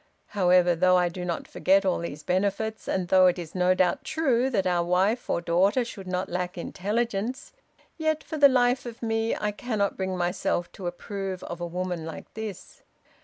However, though I do not forget all these benefits, and though it is no doubt true that our wife or daughter should not lack intelligence, yet, for the life of me, I cannot bring myself to approve of a woman like this.